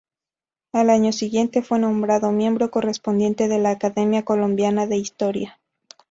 Al año siguiente, fue nombrado Miembro Correspondiente de la Academia Colombiana de Historia.